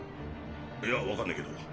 いや分かんねぇけど。